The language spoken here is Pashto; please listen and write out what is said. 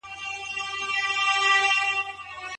روغتیایي رضاکاران څه کار کوي؟